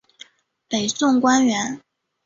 北宋官员。